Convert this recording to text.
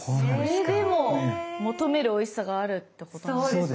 それでも求めるおいしさがあるってことなんですかね。